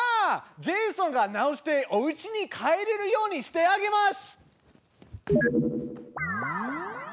ジェイソンが直しておうちに帰れるようにしてあげます！